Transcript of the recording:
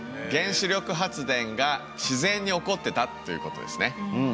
原子力発電が自然に起こってたということですね。